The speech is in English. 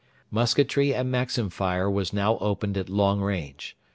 Musketry and Maxim fire was now opened at long range.